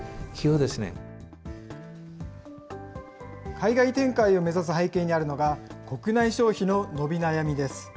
海外展開を目指す背景にあるのが国内消費の伸び悩みです。